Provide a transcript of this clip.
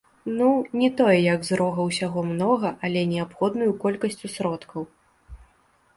Ну, не тое, як з рога ўсяго многа, але неабходную колькасцю сродкаў.